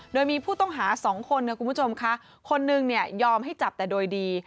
โดยมีผู้ต้องหาสองคนนะคุณผู้ชมค่ะคนนึงเนี่ยยอมให้จับแต่โดยดี